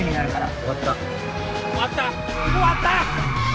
終わった！